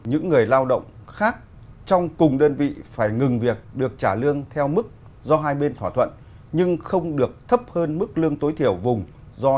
những người lao động khác trong cùng đơn vị phải ngừng việc được trả lương theo mức do hai bên thỏa thuận nhưng không được thấp hơn mức lương tối thiểu vùng